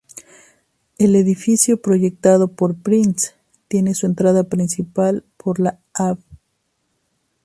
El edificio proyectado por Prins tiene su entrada principal por la Av.